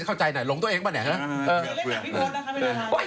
เข้าใจหน่อยหลงตัวเองบ้างเนี่ย